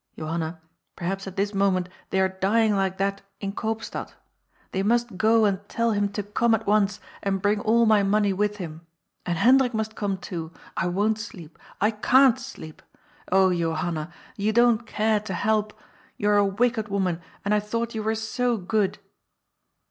Johanna, perhaps at this moment they are dying like that in Koopstad. They must go and "A POOL AND HIS MONEY." 271 tell him to come at once and bring all my money with him. And Hendrik most come too. I won't sleep. I can't sleep. Ohy Johanna, you don't care to help. You are a wicked woman, and I thought you were so good."